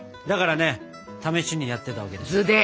だからね試しにやってたわけですよ。